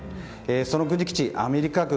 その軍事基地、アメリカ軍